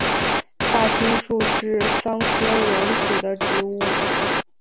大青树是桑科榕属的植物。